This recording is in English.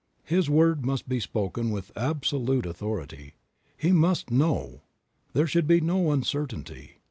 His word must be spoken with absolute authority ; he must know; there should be no uncertainty.